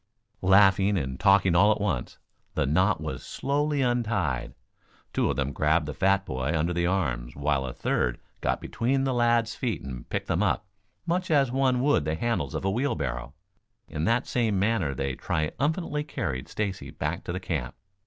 Laughing and all talking at once, the knot was slowly untied. Two of them grabbed the fat boy under the arms, while a third got between the lad's feet and picked them up, much as one would the handles of a wheelbarrow. In that manner they triumphantly carried Stacy back to the camp.